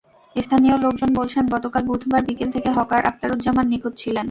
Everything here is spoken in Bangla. স্থানীয় লোকজন বলছেন, গতকাল বুধবার বিকেল থেকে হকার আক্তারুজ্জামান নিখোঁজ ছিলেন।